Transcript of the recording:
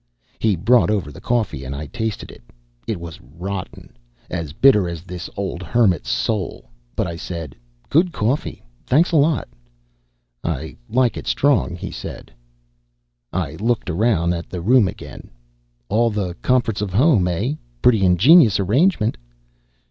He brought over the coffee, and I tasted it. It was rotten, as bitter as this old hermit's soul, but I said, "Good coffee. Thanks a lot." "I like it strong," he said. I looked around at the room again. "All the comforts of home, eh? Pretty ingenious arrangement."